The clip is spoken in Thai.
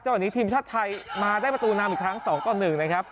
วันนี้ทีมชาติไทยมาได้ประตูนำอีกครั้ง๒ต่อ๑นะครับ